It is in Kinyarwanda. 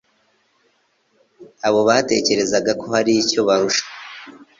abo batekerezaga ko har'icyo barusha